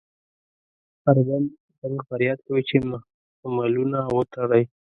هر دم زنګ فریاد کوي چې محملونه وتړئ.